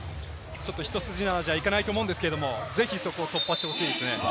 一筋縄じゃいかないと思うんですけれど、ぜひそこを突破してほしいですね。